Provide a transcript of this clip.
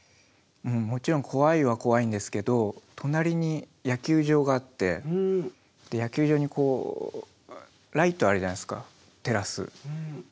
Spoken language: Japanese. もちろん怖いは怖いんですけど隣に野球場があって野球場にこうライトあるじゃないですか照らす。